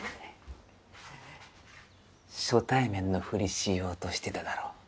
初対面のフリしようとしてただろ？